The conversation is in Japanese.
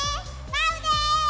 バウです！